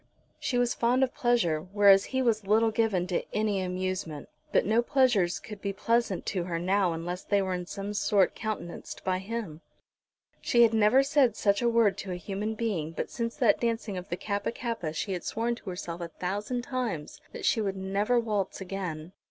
She was fond of pleasure, whereas he was little given to any amusement; but no pleasures could be pleasant to her now unless they were in some sort countenanced by him. She had never said such a word to a human being, but since that dancing of the Kappa kappa she had sworn to herself a thousand times that she would never waltz again.